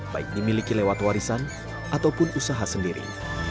baik dimiliki lewat warisan ataupun usaha sendiri